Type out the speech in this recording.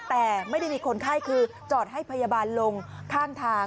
แต่ไม่ได้มีคนไข้คือจอดให้พยาบาลลงข้างทาง